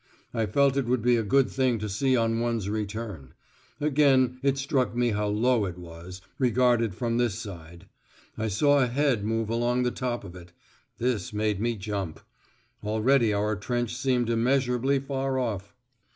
I felt it would be a good thing to see on one's return; again, it struck me how low it was, regarded from this side; I saw a head move along the top of it. This made me jump. Already our trench seemed immeasurably far off.